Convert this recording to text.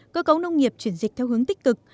cơ cấu nông nghiệp chuyển dịch theo hướng tích cực